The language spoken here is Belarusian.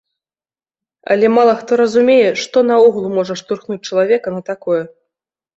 Але мала хто разумее што наогул можа штурхнуць чалавека на такое.